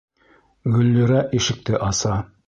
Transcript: Гөллирә ишекте аса.